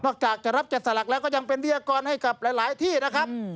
จากจะรับจัดสลักแล้วก็ยังเป็นวิทยากรให้กับหลายที่นะครับ